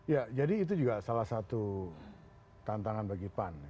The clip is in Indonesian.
ya jadi itu juga salah satu tantangan bagi pan